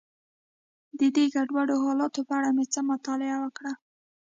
د دې ګډوډو حالاتو په اړه مې څه مطالعه وکړه.